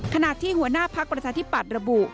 ขณะที่หัวหน้าพักประชาธิปัตย์ระบุ